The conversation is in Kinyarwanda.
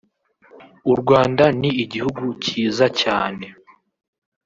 “U Rwanda ni igihugu cyiza cyane